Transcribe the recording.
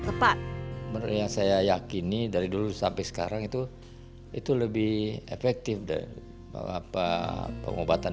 tepat menurut yang saya yakini dari dulu sampai sekarang itu itu lebih efektif dan apa pengobatan